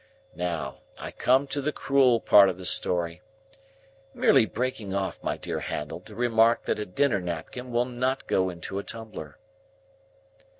Now, I come to the cruel part of the story,—merely breaking off, my dear Handel, to remark that a dinner napkin will not go into a tumbler."